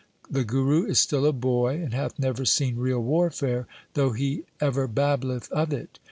The Guru is still a boy and hath never seen real warfare, though he ever babbleth of it.